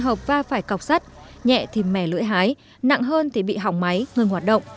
hợp va phải cọc sắt nhẹ thì mẻ lưỡi hái nặng hơn thì bị hỏng máy ngưng hoạt động